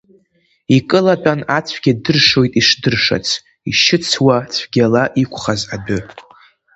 Икылатәан ацәгьа дыршоит ишдыршац, ишьыцуа цәгьала иқәхаз адәы.